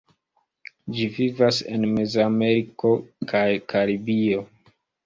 Ĝi vivas en Mezameriko kaj Karibio.